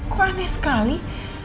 kok aneh sekali